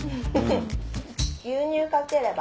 牛乳かければ？